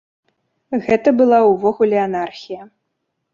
Гэта была ўвогуле анархія.